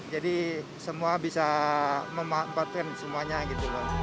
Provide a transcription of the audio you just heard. jadi semua bisa memanfaatkan semuanya gitu